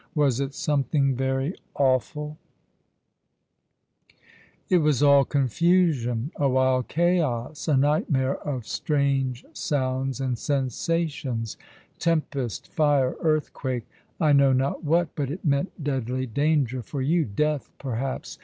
" Was it something very awful ?" QO All along the River. "It was all confusion—a wild chaos — a niglitmare of strange sounds and sensations — tempest, fire, earthquake — I know not what — but it meant deadly danger for you — death perhaps.